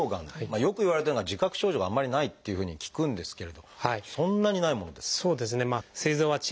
よくいわれてるのが自覚症状があんまりないっていうふうに聞くんですけれどそんなにないものですか？